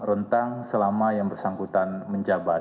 rentang selama yang bersangkutan menjabat